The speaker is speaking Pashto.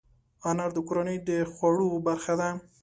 انار د کورنۍ د خوړو برخه ده.